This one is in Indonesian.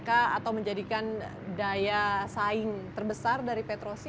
atau menjadikan daya saing terbesar dari petrosi